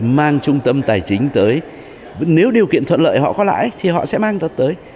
mang trung tâm tài chính tới nếu điều kiện thuận lợi họ có lãi thì họ sẽ mang tới